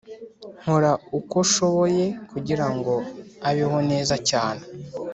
Nkora uko shoboye kugirango abeho neza cyane